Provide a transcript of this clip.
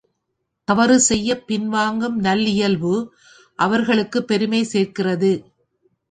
தவறு செய்யப் பின்வாங்கும் நல்லியல்பு அவர்களுக்குப் பெருமை சேர்க்கிறது.